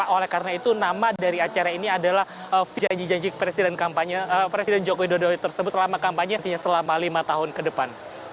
oleh karena itu nama dari acara ini adalah janji janji presiden joko widodo tersebut selama kampanye selama lima tahun ke depan